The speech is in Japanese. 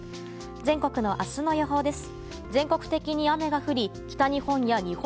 全国の明日の予報です。